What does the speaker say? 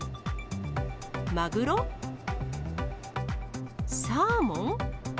マグロ？サーモン？